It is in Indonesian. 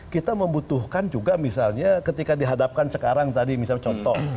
kita membutuhkan juga misalnya ketika dihadapkan sekarang tadi misal contoh